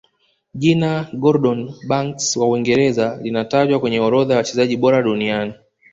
jina gordon banks wa Uingereza likatajwa kwenye orodha ya wachezaji bora duniani